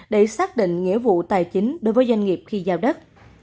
để xác định nghĩa vụ tài chính đối với doanh nghiệp khi giao đất